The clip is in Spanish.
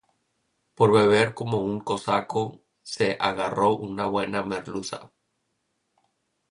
Por beber como un cosaco, se agarró una buena merluza